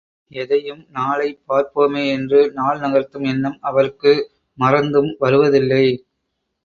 எதையும் நாளை பார்ப்போமே என்று நாள் நகர்த்தும் எண்ணம் அவருக்கு மறந்தும் வருவதில்லை.